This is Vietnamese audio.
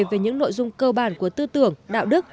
về những nội dung cơ bản của tư tưởng đạo đức